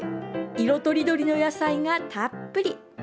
色とりどりの野菜がたっぷり。